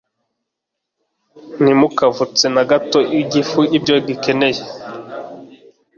Ntimukavutse na gato igifu ibyo gikeneye